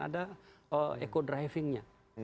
ada eco drivingnya